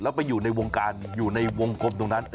แล้วไปอยู่ในวงการอยู่ในวงกลมตรงนั้น